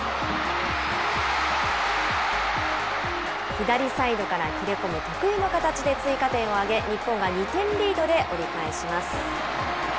左サイドから切れ込む得意の形で追加点を挙げ、日本が２点リードで折り返します。